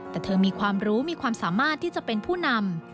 แต่เธอมีความรู้มีความสามารถที่จะเป็นผู้นำ